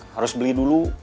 harus beli dulu